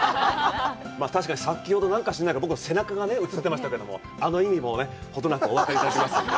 まあ、確かに先ほど何か知らないけど、僕の背中が映ってましたけど、あの意味もほどなくお分かりいただけますので。